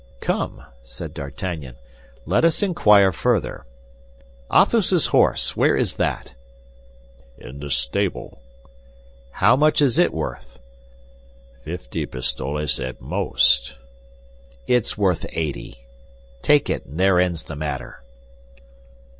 "Come," said D'Artagnan, "let us inquire further. Athos's horse, where is that?" "In the stable." "How much is it worth?" "Fifty pistoles at most." "It's worth eighty. Take it, and there ends the matter."